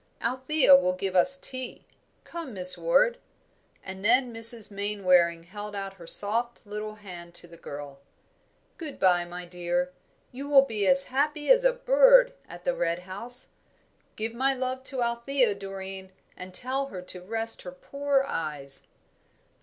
"Althea will give us tea. Come, Miss Ward." And then Mrs. Mainwaring held out her soft, little hand to the girl. "Good bye, my dear. You will be as happy as a bird at the Red House. Give my love to Althea, Doreen, and tell her to rest her poor eyes."